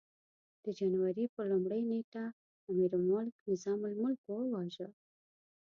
د جنوري پر لومړۍ نېټه امیرالملک نظام الملک وواژه.